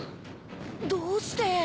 どうして。